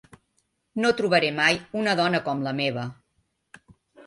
No trobaré mai una dona com la meva.